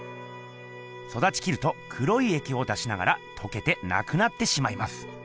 そだちきると黒いえきを出しながらとけてなくなってしまいます。